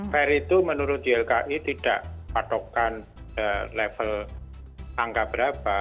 fair itu menurut ylki tidak patokan level angka berapa